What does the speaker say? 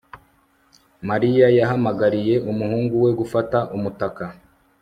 Mariya yahamagariye umuhungu we gufata umutaka